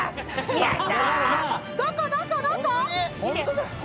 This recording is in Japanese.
やった。